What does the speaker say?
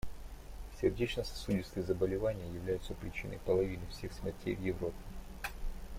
Сердечно-сосудистые заболевания являются причиной половины всех смертей в Европе.